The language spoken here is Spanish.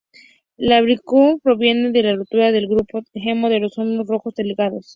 La bilirrubina proviene de la ruptura del grupo hemo de los glóbulos rojos degradados.